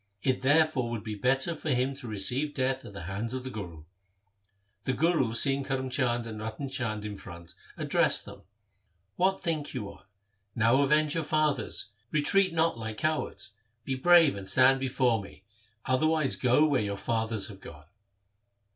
It therefore would be better for him to receive death at the hands of the Guru. The Guru seeing Karm Chand and Ratan Chand in front addressed them, ' What think you on ? Now avenge your fathers. Retreat not like cowards. Be brave and stand before me ; otherwise go where your fathers have gone.'